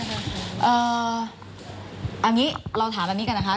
เอางี้เราถามอันนี้กันอ่ะค่ะ